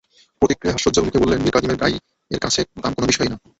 প্রতিক্রিয়ায় হাস্যোজ্জ্বল মুখে বললেন, মীরকাদিমের গাইয়ের কাছে দাম কোনো বিষয়ই না।